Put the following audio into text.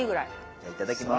じゃあいただきます。